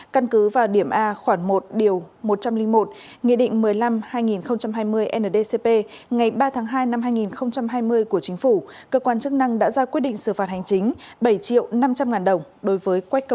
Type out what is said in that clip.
căn cứ vào điểm a khoảng một điều